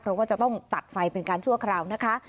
เพราะว่าจะต้องตัดไฟเป็นการชั่วคราวนะคะ